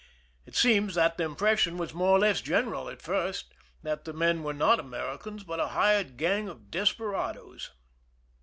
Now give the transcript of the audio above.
It seems that the impression was more or less general, at first, that the men were not Americans, but a hired gang of desperados.